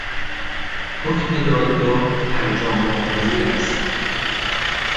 حکم دادگاه فرجام ناپذیر است.